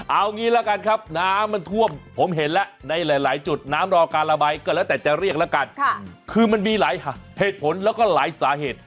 เอางี้ละกันครับน้ำมันท่วมผมเห็นแล้วในหลายจุดน้ำรอการระบายก็แล้วแต่จะเรียกแล้วกันคือมันมีหลายเหตุผลแล้วก็หลายสาเหตุ